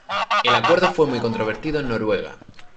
El acuerdo fue muy controvertido en Noruega.